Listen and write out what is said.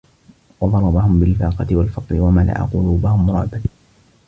وَضَرَبَهُمْ بِالْفَاقَةِ وَالْفَقْرِ وَمَلَأَ قُلُوبَهُمْ رُعْبًا